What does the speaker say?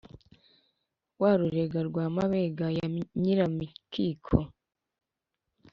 wa rurega rwa mabega ya nyiramikiko